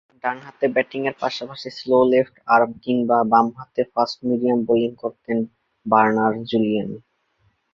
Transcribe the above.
ডানহাতে ব্যাটিংয়ের পাশাপাশি স্লো লেফট-আর্ম কিংবা বামহাতে ফাস্ট-মিডিয়াম বোলিং করতেন বার্নার্ড জুলিয়েন।